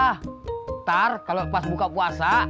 ntar kalau pas buka puasa